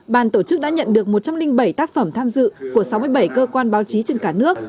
ban tổ chức đã nhận được một trăm linh bảy tác phẩm tham dự của sáu mươi bảy cơ quan báo chí trên cả nước